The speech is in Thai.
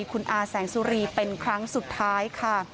คุณอาแสงสุรีเป็นครั้งสุดท้ายค่ะ